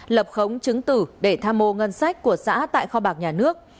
lập khống chứng tử để tham mô ngân sách của xã tại kho bạc nhà nước